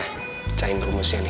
pecahin rumusnya nih